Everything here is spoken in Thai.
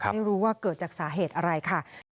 เขานอนอยู่ข้างนอนอยู่ข้างนี้